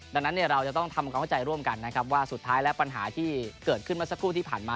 ดังนั้นเราจะต้องทำความเข้าใจร่วมกันนะครับว่าสุดท้ายแล้วปัญหาที่เกิดขึ้นเมื่อสักครู่ที่ผ่านมา